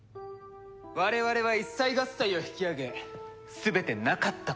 我々は一切合切を引き揚げ全てなかったことにする。